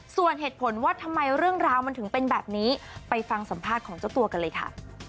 ส่วนเหตุผลว่าทำไมเรื่องราวมันถึงเป็นแบบนี้ไปฟังสัมภาษณ์ของเจ้าตัวกันเลยค่ะ